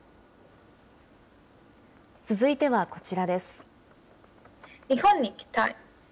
続いてはこちらです。